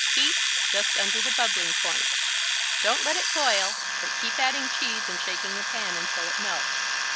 Heat just under the bubbling point. Don't let it boil, but keep adding cheese and shaking the pan until it melts.